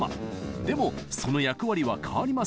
でもその役割は変わりません。